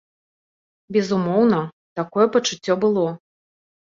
Безумоўна, такое пачуццё было.